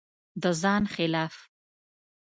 د ځان خلاف